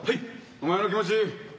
お前の気持ち